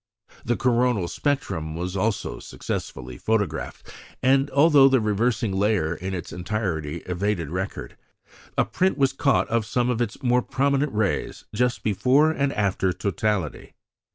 The coronal spectrum was also successfully photographed, and although the reversing layer in its entirety evaded record, a print was caught of some of its more prominent rays just before and after totality.